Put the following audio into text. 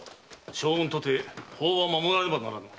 将軍とて法は守らねばならぬ。